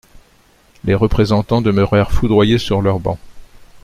Les représentants demeurèrent foudroyés sur leur banc.